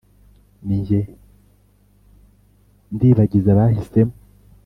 Ni jye Ndibagiza bahisemo.